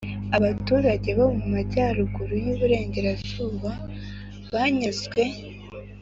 abaturage bo mu majyaruguru y' uburengerazuba banyazwe